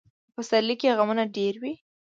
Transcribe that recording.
په پسرلي کې غمونه ډېر وي.